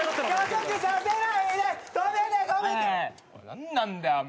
何なんだよお前。